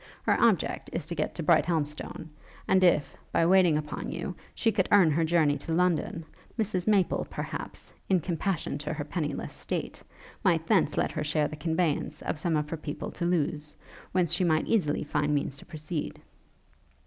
Her object is to get to Brighthelmstone. And if, by waiting upon you, she could earn her journey to London, Mrs Maple, perhaps, in compassion to her pennyless state, might thence let her share the conveyance of some of her people to Lewes, whence she might easily find means to proceed.'